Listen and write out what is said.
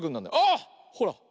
あ！ほら。